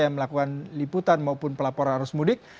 yang melakukan liputan maupun pelaporan arus mudik